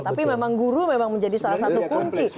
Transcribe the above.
tapi memang guru memang menjadi salah satu kunci